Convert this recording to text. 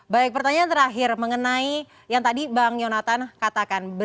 baik pertanyaan terakhir mengenai yang tadi bang yonatan katakan